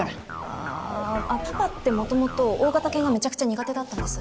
あぁあっパパってもともと大型犬がめちゃくちゃ苦手だったんです。